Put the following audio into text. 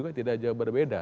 itu juga tidak jauh berbeda